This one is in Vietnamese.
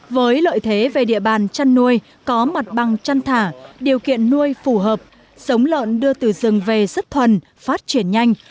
với lợi thế về địa bàn chăn nuôi có mặt bằng chăn thả điều kiện nuôi phù hợp sống lợn đưa từ rừng về rất thuần phát triển nhanh